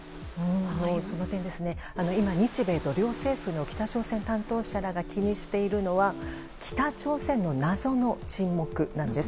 その点ですが日米両政府と北朝鮮担当者らが気にしているのは北朝鮮の謎の沈黙なんです。